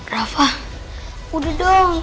rafa udah dong